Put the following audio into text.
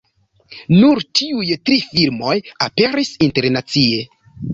Nur tiuj tri filmoj aperis internacie.